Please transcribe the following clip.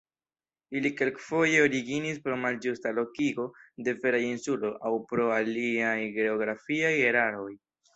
Ili kelkfoje originis pro malĝusta lokigo de veraj insuloj, aŭ pro aliaj geografiaj eraroj.